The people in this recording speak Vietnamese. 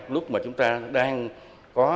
lúc mà chúng ta đang có